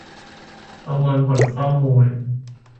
ประมวลผลข้อมูล